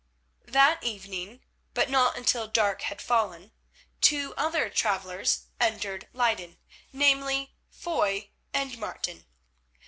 That evening, but not until dark had fallen, two other travellers entered Leyden, namely, Foy and Martin.